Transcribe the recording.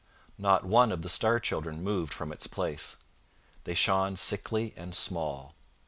Not one of the star children moved from its place. They shone sickly and small.